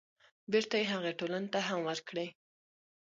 بېرته يې هغې ټولنې ته هم ورکړي.